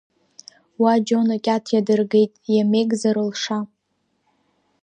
Уа Џьон акьат иадыргеит, Иамеигӡа рылша.